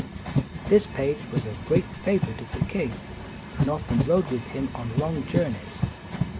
This page was a great favorite of the king, and often rode with him on long journeys.